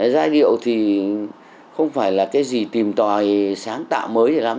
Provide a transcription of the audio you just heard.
giai điệu thì không phải là cái gì tìm tòi sáng tạo mới gì lắm